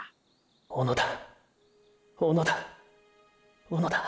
小野田小野田小野田